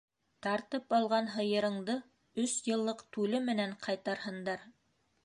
Тартып алған һыйырыңды өс йыллыҡ түле менән ҡайтарһындар.